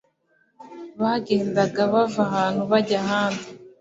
bagendagenda bava ahantu bajya ahandi,